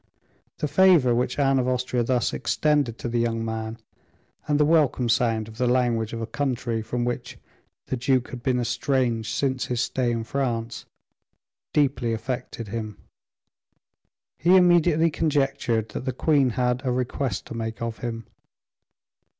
The favor which Anne of Austria thus extended to the young man, and the welcome sound of the language of a country from which the duke had been estranged since his stay in France, deeply affected him. He immediately conjectured that the queen had a request to make of him.